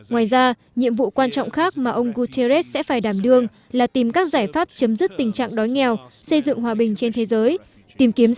ngoài ra nhiệm vụ quan trọng khác mà ông guterres sẽ phải đảm đương là tìm các giải pháp chấm dứt tình trạng đói nghèo xây dựng hòa bình trên thế giới